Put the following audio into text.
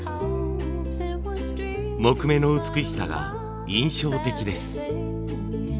木目の美しさが印象的です。